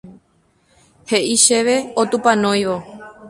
He'i chéve otupanóivo